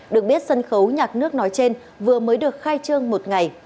được biết sân khấu nhạc nước nói trên vừa mới được khai trương một ngày